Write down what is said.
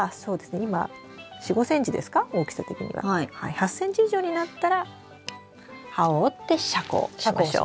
８ｃｍ以上になったら葉を折って遮光しましょう。